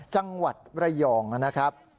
จังหวัดระยองนะครับ